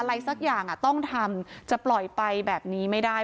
อะไรสักอย่างต้องทำจะปล่อยไปแบบนี้ไม่ได้